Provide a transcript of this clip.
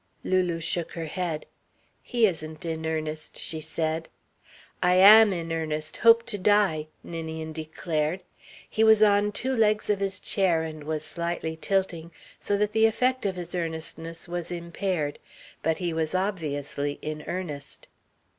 Lulu shook her head. "He isn't in earnest," she said. "I am in earnest hope to die," Ninian declared. He was on two legs of his chair and was slightly tilting, so that the effect of his earnestness was impaired. But he was obviously in earnest.